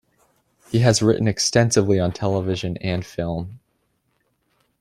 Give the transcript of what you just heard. He has written extensively on television and film.